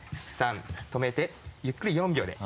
止めてゆっくり４秒で。